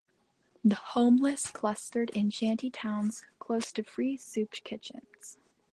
The homeless clustered in shanty towns close to free soup kitchens.